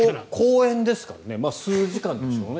講演ですからね数時間でしょうね。